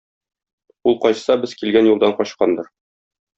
Ул качса, без килгән юлдан качкандыр.